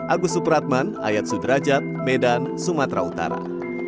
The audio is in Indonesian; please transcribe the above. agus supratman ayat sudrajat medan sumatera utara